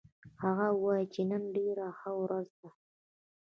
هغه وایي چې نن ډېره ښه ورځ ده